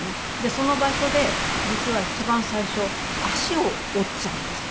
その場所で実は一番最初足を折っちゃうんですよ